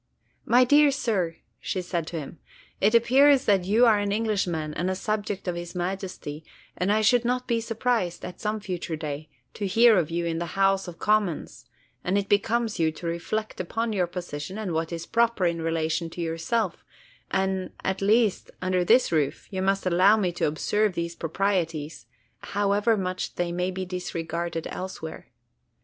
"My dear sir," she said to him, "it appears that you are an Englishman and a subject of his Majesty; and I should not be surprised, at some future day, to hear of you in the House of Commons; and it becomes you to reflect upon your position and what is proper in relation to yourself; and, at least under this roof, you must allow me to observe these proprieties, however much they may be disregarded elsewhere.